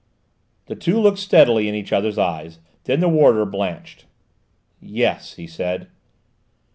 The two looked steadily in each other's eyes; then the warder blenched. "Yes," he said.